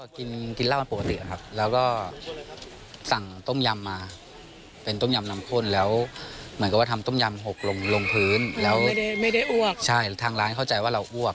ใช่ทางร้านเข้าใจว่าเราอ้วก